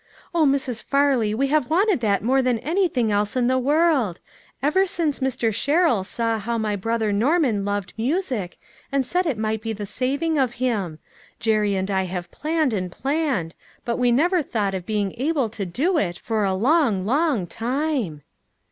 " O Mrs. Farley, we have wanted that more than anything else in the world ; ever since Mr. Sherrill saw how my brother Norman loved music, and said it might be the saving of him ; Jerry and I have planned and planned, but we never thought of being able to do it for a long, long time."